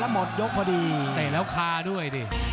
แล้วหมดยกพอดีเตะแล้วคาด้วย